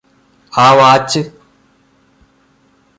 ആ വാച്ച്